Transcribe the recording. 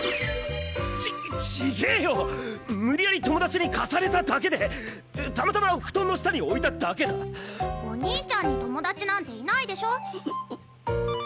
ち違えよ無理やり友達に貸されただけでたまたま布団の下に置いただけだお兄ちゃんに友達なんていないでしょあっ